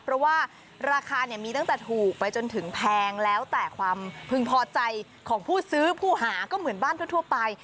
เพราะว่าราคาเนี่ยมีตั้งแต่ถูกไปจนถึงแพงแล้วแต่ความพึงพอใจของผู้ซื้อผู้หาก็เหมือนบ้านทั่วไป